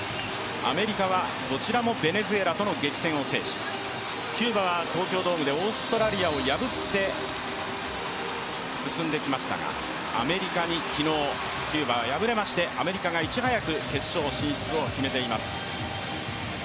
アメリカはこちらもベネズエラとの激戦を制しキューバと東京ドームでオーストラリアを破って進んできましたが、アメリカに昨日、キューバは敗れましてアメリカがいち早く決勝進出を決めています。